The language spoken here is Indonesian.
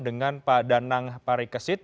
dengan pak danang parikesit